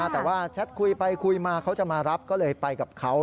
แต่ว่าแชทคุยไปคุยมาเขาจะมารับก็เลยไปกับเขา